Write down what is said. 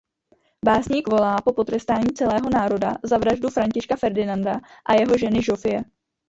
Básník volá po potrestání celého národa za vraždu Františka Ferdinanda a jeho ženy Žofie.